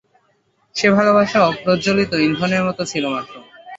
সে ভালোবাসা অপ্রজ্জ্বলিত ইন্ধনের মতো ছিল মাত্র।